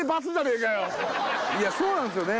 いやそうなんすよね